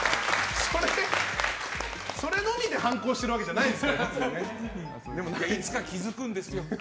それのみで反抗しているわけじゃいつか気づくんですよ。